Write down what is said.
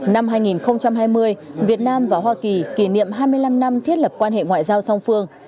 năm hai nghìn hai mươi việt nam và hoa kỳ kỷ niệm hai mươi năm năm thiết lập quan hệ ngoại giao song phương